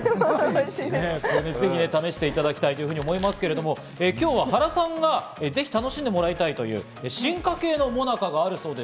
ぜひ試していただきたいと思いますけど、今日は原さんがぜひ楽しんでもらいたいという進化系のもなかがあるそうです。